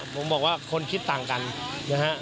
ผมบอกว่าคนคิดต่างกันนะฮะ